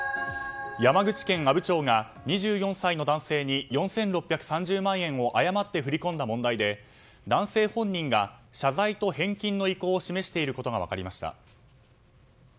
山口県阿武町が２４歳の男性に４６３０万円を誤って振り込んだ問題で男性本人が謝罪と返金の意向を示していることが分かりました。